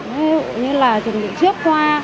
nếu như là chuẩn bị chiếc hoa